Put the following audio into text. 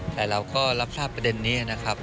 แต่เราก็รับทราบประเด็นนี้นะครับ